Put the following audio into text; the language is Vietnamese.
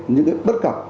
những bất cập